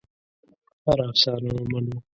هره افسانه ومنو.